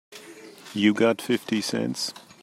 You got fifty cents?